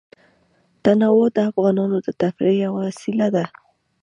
تنوع د افغانانو د تفریح یوه وسیله ده.